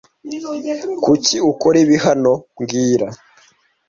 Kuki ukora ibi hano mbwira